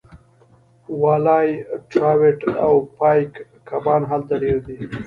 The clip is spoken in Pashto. والای ټراوټ او پایک کبان هلته ډیر دي